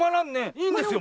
いいんですよ